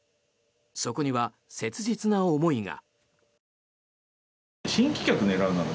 そこには切実な思いが。